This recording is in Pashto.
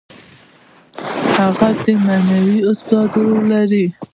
هغه د معنوي استاد رول لري.